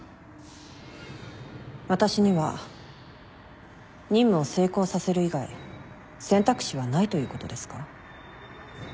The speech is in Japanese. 私には任務を成功させる以外選択肢はないということですか？